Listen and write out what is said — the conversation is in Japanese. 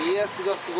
すごい？